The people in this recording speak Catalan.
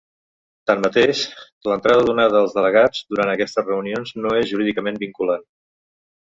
Tanmateix, l'entrada donada als delegats durant aquestes reunions no és jurídicament vinculant.